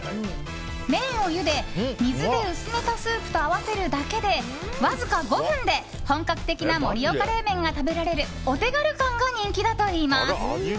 麺をゆで、水で薄めたスープと合わせるだけでわずか５分で本格的な盛岡冷麺が食べられるお手軽感が人気だといいます。